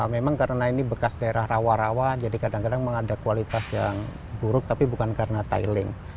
memang karena ini bekas daerah rawa rawa jadi kadang kadang mengada kualitas yang buruk tapi bukan karena tiling